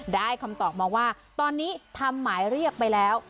คำตอบมาว่าตอนนี้ทำหมายเรียกไปแล้ว